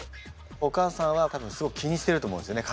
お母さんは多分すごく気にしてると思うんですよね